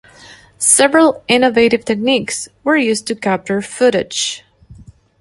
Several innovative techniques were used to capture footage.